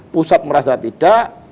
pusat merasa tidak